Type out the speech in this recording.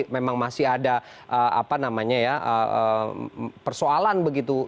memang masih ada persoalan begitu